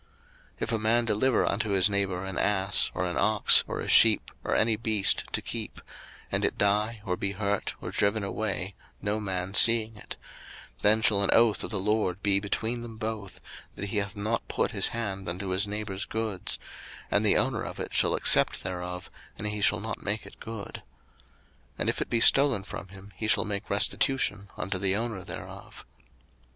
02:022:010 If a man deliver unto his neighbour an ass, or an ox, or a sheep, or any beast, to keep; and it die, or be hurt, or driven away, no man seeing it: 02:022:011 Then shall an oath of the LORD be between them both, that he hath not put his hand unto his neighbour's goods; and the owner of it shall accept thereof, and he shall not make it good. 02:022:012 And if it be stolen from him, he shall make restitution unto the owner thereof.